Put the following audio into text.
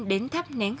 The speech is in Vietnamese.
đến thắp nén khóa